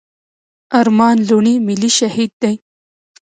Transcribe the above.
ارمان لوڼي ملي شهيد دی.